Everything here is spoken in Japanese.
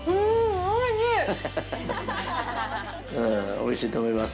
おいしいと思います。